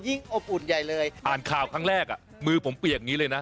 อบอุ่นใหญ่เลยอ่านข่าวครั้งแรกอ่ะมือผมเปียกอย่างนี้เลยนะ